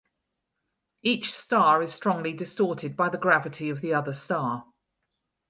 Each star is strongly distorted by the gravity of the other star.